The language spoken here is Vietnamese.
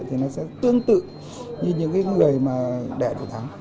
thì nó sẽ tương tự như những người mà đẻ đổi tháng